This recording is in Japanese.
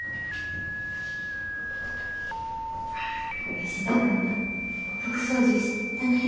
吉田君は副操縦士どない？